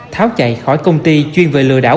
tháo chạy khỏi công ty chuyên về lừa đảo